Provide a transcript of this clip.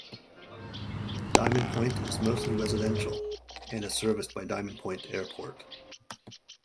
Diamond Point is mostly residential and is serviced by Diamond Point Airport.